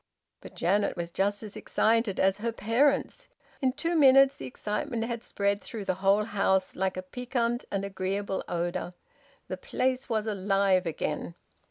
But Janet was just as excited as her parents. In two minutes the excitement had spread through the whole house, like a piquant and agreeable odour. The place was alive again.